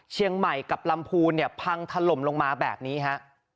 เชียงใหม่กับลำพูนเนี่ยพังถล่มลงมาแบบนี้ฮะ